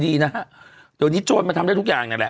เดี๋ยวนี้โจทย์มันทำได้ทุกอย่างนี่แหละ